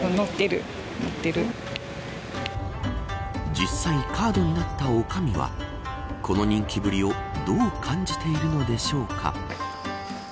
実際、カードになった女将はこの人気ぶりをどう感じているのでしょうか。